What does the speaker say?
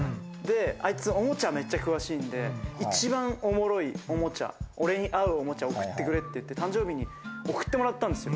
あいつおもちゃめっちゃ詳しいんで、一番おもろいおもちゃ、俺に合うおもちゃを贈ってくれって誕生日に送ってもらったんですよ。